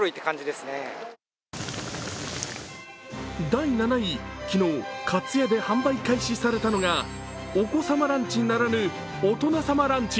第７位、昨日、かつやで販売開始されたのが、お子様ランチならぬ大人様ランチ。